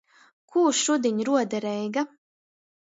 Kū šudiņ ruoda Reiga?